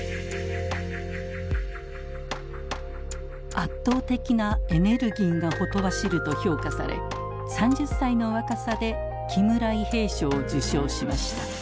圧倒的なエネルギーがほとばしると評価され３０歳の若さで木村伊兵衛賞を受賞しました。